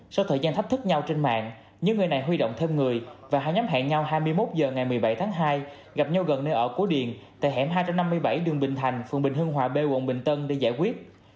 sau thời gian thách thức nhau trên mạng những người này huy động thêm người và hai nhóm hẹn nhau hai mươi một h ngày một mươi bảy tháng hai gặp nhau gần nơi ở của điền tại hẻm hai trăm năm mươi bảy đường bình thành phường bình hương hòa b quận bình tân để giải quyết